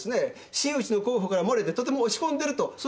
「真打ちの候補から漏れてとても落ち込んでいる」とそうおっしゃった。